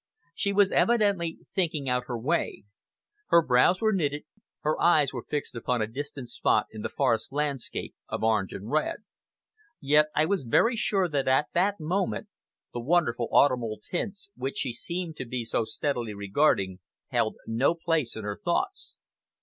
She was evidently thinking out her way. Her brows were knitted, her eyes were fixed upon a distant spot in the forest landscape of orange and red. Yet I was very sure that at that moment, the wonderful autumnal tints, which she seemed to be so steadily regarding, held no place in her thoughts.